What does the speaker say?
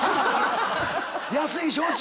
安い焼酎。